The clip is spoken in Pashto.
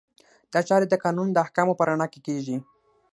دا چارې د قانون د احکامو په رڼا کې کیږي.